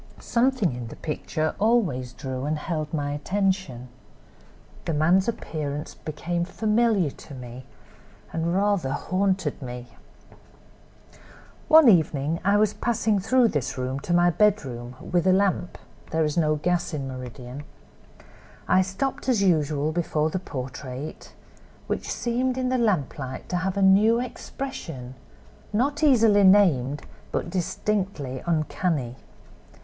Something in the picture always drew and held my attention. The man's appearance became familiar to me, and rather 'haunted' me. "One evening I was passing through this room to my bedroom, with a lamp—there is no gas in Meridian. I stopped as usual before the portrait, which seemed in the lamplight to have a new expression, not easily named, but distinctly uncanny.